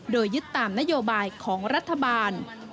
โดยยึดตามนโยบายของรัฐบาล